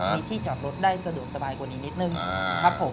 มีที่จอดรถได้สะดวกสบายกว่านี้นิดนึงครับผม